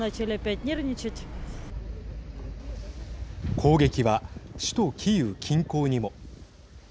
攻撃は首都キーウ近郊にも。